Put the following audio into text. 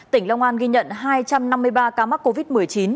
tỉnh long an ghi nhận hai trăm năm mươi ba ca mắc covid một mươi chín